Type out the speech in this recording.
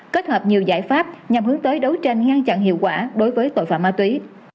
kết hợp nhiều giải pháp nhằm hướng tới đấu tranh ngăn chặn hiệu quả đối với tội phạm ma túy